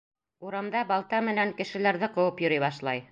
Урамда балта менән кешеләрҙе ҡыуып йөрөй башлай.